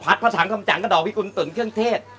พัดผัดถังทำจังก็โด่งพี่กุณศ์ตุ๋นเครื่องเทศ